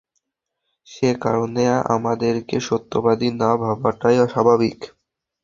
সে কারণে আমাদেরকে সত্যবাদী না ভাবাটাই স্বাভাবিক।